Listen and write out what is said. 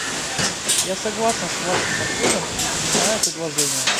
Я согласна с вашим подходом и принимаю предложение.